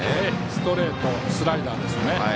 ストレートスライダーですね。